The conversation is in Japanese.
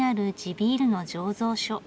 ビールの醸造所。